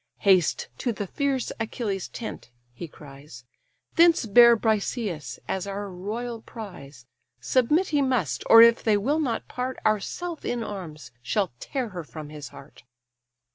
"Haste to the fierce Achilles' tent (he cries), Thence bear Briseïs as our royal prize: Submit he must; or if they will not part, Ourself in arms shall tear her from his heart."